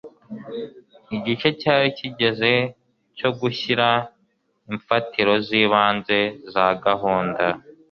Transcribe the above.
Igihe cyari kigeze cyo gushyira imfatiro z'ibanze za gahunda